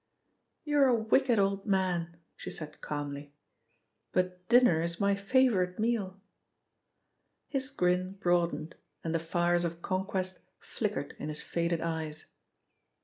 "You're a wicked old man," she said calmly, "but dinner is my favourite meal." His grin broadened and the fires of conquest flickered in his faded eyes.